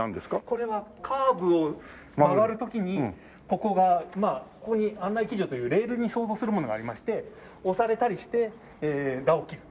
これはカーブを曲がる時にここがここに案内軌条というレールに相当するものがありまして押されたりして舵を切る。